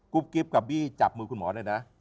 กิ๊บกับบี้จับมือคุณหมอเลยนะ